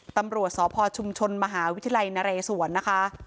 ตำรวจทพชมชลมวิทยาลัยนรสภวัณฐ์นะคะ